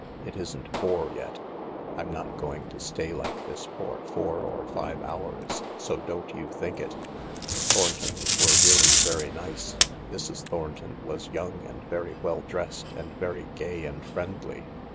It isn't four yet. I'm not going to stay like this for four or five hours, so don't you think it !" The Thorntons were really very nice. Mrs. Thornton was young and very well dressed and very gay and friendly.